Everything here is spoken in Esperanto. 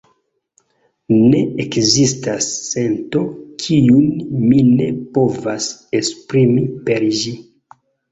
Ne ekzistas sento, kiun mi ne povas esprimi per ĝi.